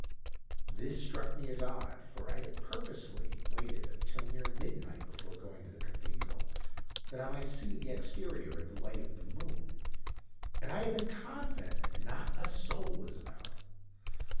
"This struck me as odd, for I had purposely waited till near midnight before going to the Cathedral, that I might see the exterior in the light of the moon; and I had been confident that not a soul was about.